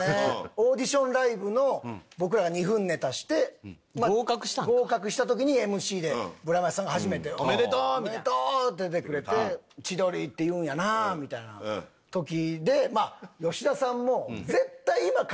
オーディションライブの僕らが２分ネタして合格したんか合格した時にＭＣでブラマヨさんが初めておめでとうみたいなおめでとうって出てくれて千鳥っていうんやなみたいな時でまあそうだよね